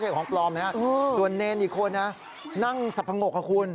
สายลูกไว้อย่าใส่